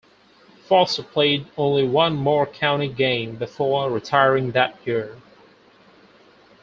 Foster played only one more county game before retiring that year.